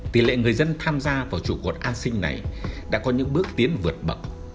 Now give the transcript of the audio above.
tỷ lệ người dân tham gia vào chủ cuộc an sinh này đã có những bước tiến vượt bậc